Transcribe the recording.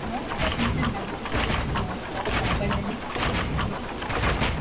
No definitive medical test is known for aquagenic pruritus.